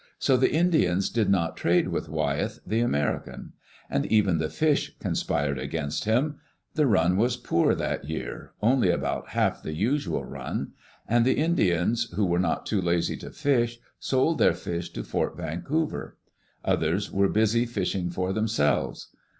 So the Indians did not trade with Wyeth, the American. And even the fish conspired against him. The run was poor that year — only about half the usual run — and the Indians who were not Digitized by VjOOQ IC WHO OWNED THE "OREGON COUNTRY '»? too lazy to fish sold their fish to Fort Vancouver; others were busy fishing for themselves.